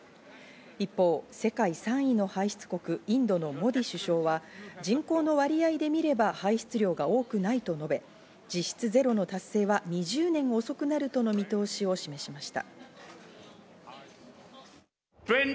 一方、世界３位の排出国、インドのモディ首相は人口の割合で見れば排出量が多くないと述べ、実質ゼロの達成は２０年遅くなるとの見通しを示しました。